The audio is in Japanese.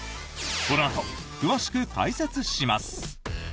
このあと詳しく解説します。